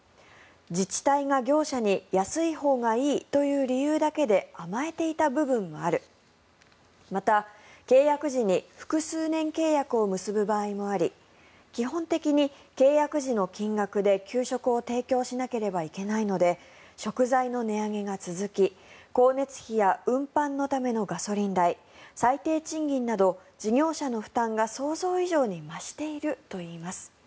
自治体が業者に安いほうがいいという理由だけで甘えていた部分もあるまた、契約時に複数年契約を結ぶ場合もあり基本的に契約時の金額で、給食を提供しなければいけないので食材の値上げが続き光熱費や運搬のためのガソリン代最低賃金など事業者の負担が想像以上に増しているといいます。